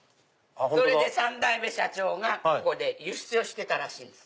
それで３代目社長がここで輸出をしてたらしいんです。